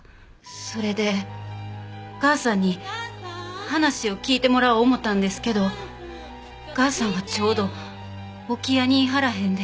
それでおかあさんに話を聞いてもらおう思たんですけどおかあさんはちょうど置屋にいはらへんで。